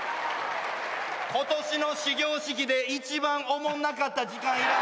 今年の始業式で一番おもんなかった時間いらん。